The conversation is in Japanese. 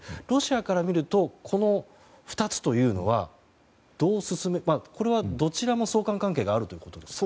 ロシアから見るとこの２つというのはどちらも相関関係があると？